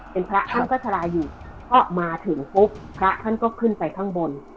เป็นพระท่านก็ชะลาอยู่ก็มาถึงปุ๊บพระท่านก็ขึ้นไปข้างบน